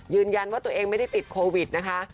ยืนยันว่าตัวเองไม่ได้ติดโควิดนะคะ